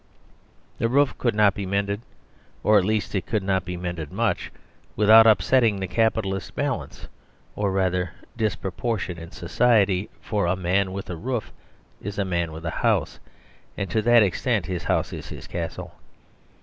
The roof could not be mended, or, at least, it could not be mended much, without upsetting the capitalist balance, or, rather, disproportion in society; for a man with a roof is a man with a house, and to that extent his house is his castle.